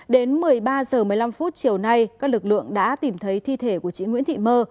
đến một mươi ba h một mươi năm chiều nay các lực lượng đã tìm thấy thi thể của chị nguyễn thị mơ